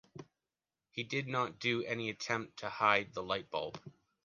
He did not do any attempt to hide the light bulb.